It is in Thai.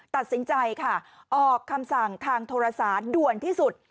ตัดสินใจค่ะออกคำสั่งทางโทรศาสตร์ด่วนที่สุด